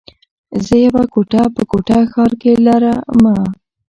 زه يوه کوټه په کوټه ښار کي لره مه